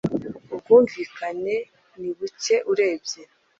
ubwumvikane nibuke urebye